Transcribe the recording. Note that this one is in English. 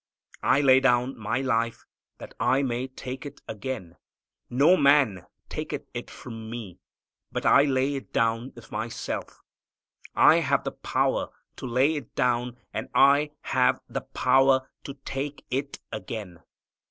"I lay down My life that I may take it again. No man taketh it from Me, but I lay it down of Myself. I have the power to lay it down, and I have the power to take it again.